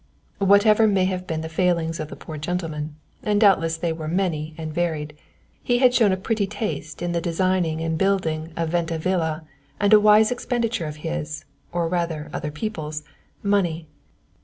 Whatever may have been the failings of the poor gentleman and doubtless they were many and varied he had shown a pretty taste in the designing and building of Venta Villa and a wise expenditure of his or rather other people's money.